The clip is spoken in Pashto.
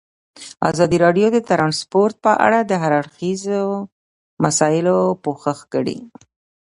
ازادي راډیو د ترانسپورټ په اړه د هر اړخیزو مسایلو پوښښ کړی.